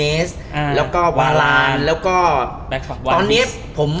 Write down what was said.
แล้วฮาลไมซ์แล้วก็วารานตอนนี้ผมให้น้ำหนักไปทวนงานอีสาธาบุล